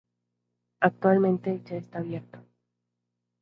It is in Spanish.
Actualmente ya está abierto.